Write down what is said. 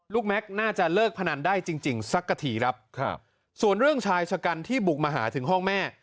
แม็กซ์น่าจะเลิกพนันได้จริงจริงสักกะทีครับครับส่วนเรื่องชายชะกันที่บุกมาหาถึงห้องแม่